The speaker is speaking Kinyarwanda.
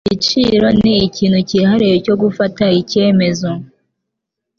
Igiciro ni ikintu cyihariye cyo gufata icyemezo.